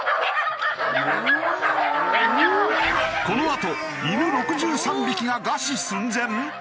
このあと犬６３匹が餓死寸前！？